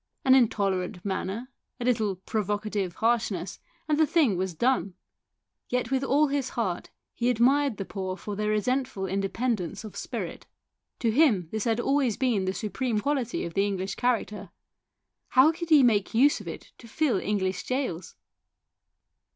An intolerant manner, a little provocative harshness, and the thing was done. Yet with all his heart he admired the poor for their resentful independence of spirit. To him this had always been the supreme quality of the English character ; how could he make use of it to fill English gaols